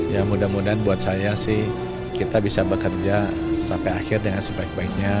ya mudah mudahan buat saya sih kita bisa bekerja sampai akhir dengan sebaik baiknya